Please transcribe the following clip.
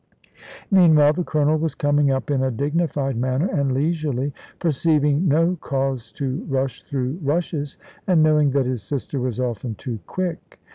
Meanwhile the Colonel was coming up, in a dignified manner, and leisurely, perceiving no cause to rush through rushes, and knowing that his sister was often too quick.